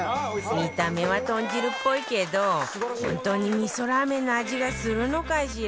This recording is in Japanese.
見た目は豚汁っぽいけど本当に味噌ラーメンの味がするのかしら？